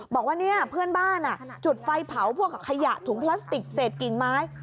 บอกว่าเนี่ยเพื่อนบ้านจุดไฟเผาพวกกับขยะถุงพลาสติกเศษกิ่งไม้